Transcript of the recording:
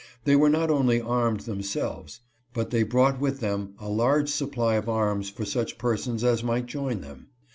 They were not only armed themselves, but they brought with them a large supply of arms for such persons as might join them.